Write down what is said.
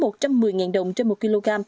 sau tết giảm còn một mươi năm đồng trên một kg